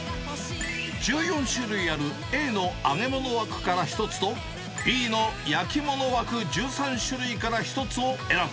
１４種類あるＡの揚げ物枠から１つと、Ｂの焼き物枠１３種類から１つを選ぶ。